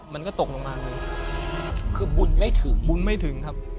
มันก็ตกลงมาคือบุญไม่ถึงบุญไม่ถึงครับ